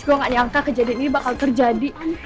gue gak nyangka kejadian ini bakal terjadi